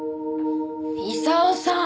功さん！